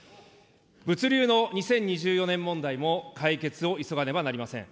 物流の２０２４年問題も解決を急がねばなりません。